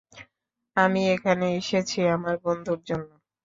আমি এখানে এসেছি আমার বন্ধুর জন্য।